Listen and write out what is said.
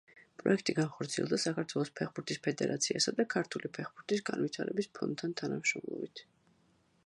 პროექტი განხორციელდა საქართველოს ფეხბურთის ფედერაციასა და ქართული ფეხბურთის განვითარების ფონდთან თანამშრომლობით.